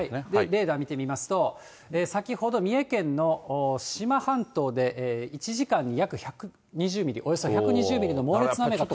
レーダー見てみますと、先ほど三重県の志摩半島で１時間に約１２０ミリ、およそ１２０ミリの猛烈な雨が。